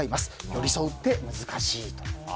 寄り添うって難しいと。